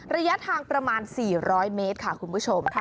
ระยะทางประมาณ๔๐๐เมตรค่ะคุณผู้ชมค่ะ